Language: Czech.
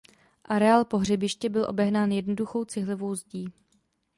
Areál pohřebiště byl obehnán jednoduchou cihlovou zdí.